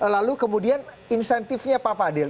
lalu kemudian insentifnya pak fadil